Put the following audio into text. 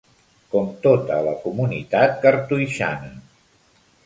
Com tota la comunitat cartoixana.